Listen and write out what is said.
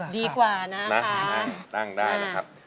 ดีกว่าครับนั่งได้นะครับดีกว่านั่งได้นะครับ